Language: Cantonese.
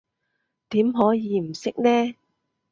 點可以唔識呢？